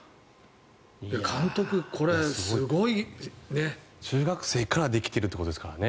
監督、これ、すごいね。中学生からできてるということですからね。